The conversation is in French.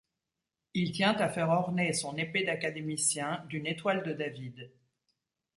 Il tient à faire orner son épée d'académicien d'une étoile de David.